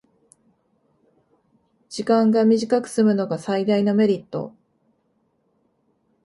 時間が短くすむのが最大のメリット